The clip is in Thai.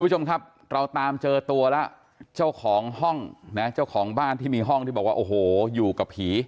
คุณผู้ชมครับเราตามเจอตัวแล้วเจ้าของห้องนะเจ้าของบ้านที่มีห้องที่บอกว่าโอ้โหอยู่กับผี